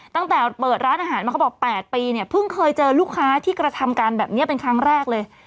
ตั้งแต่เปิดร้านอาหารมาเขาบอก๘ปีเนี่ยเพิ่งเคยเจอลูกค้าที่กระทำการแบบนี้เป็นครั้งแรกเลย